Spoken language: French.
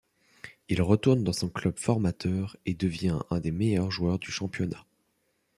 Il retourne dans son club formateur et devient un des meilleurs joueurs du championnat.